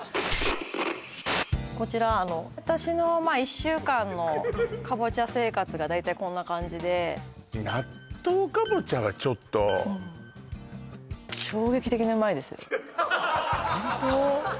こちら私のまあ１週間のカボチャ生活が大体こんな感じで納豆カボチャはちょっとホント？